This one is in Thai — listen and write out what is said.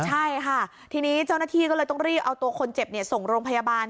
ใช่ค่ะทีนี้เจ้าหน้าที่ก็เลยต้องรีบเอาตัวคนเจ็บส่งโรงพยาบาล